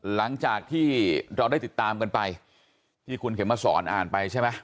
หลังจากที่เราได้ติดตามกันไปที่คุณเข็มมาสอนอ่านไปใช่ไหม